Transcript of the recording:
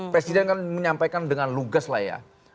presiden kan menyampaikan dengan lugas lah ya